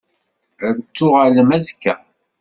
Ad n-tuɣalem azekka?